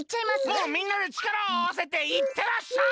もうみんなでちからをあわせていってらっしゃい！